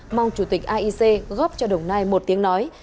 mong chủ tịch aic góp cho đồng nai một tiếng nói